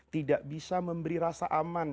tidak bisa memberi rasa aman